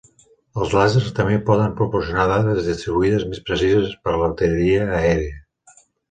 Els làsers també poden proporcionar dades distribuïdes més precises per a l'artilleria aèria.